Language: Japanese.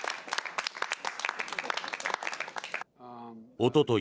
おととい